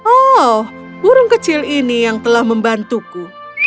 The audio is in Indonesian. oh burung kecil ini yang telah membantuku